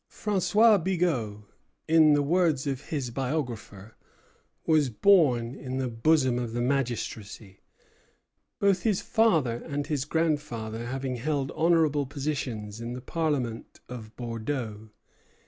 François Bigot, in the words of his biographer, was "born in the bosom of the magistracy," both his father and his grandfather having held honorable positions in the parliament of Bordeaux.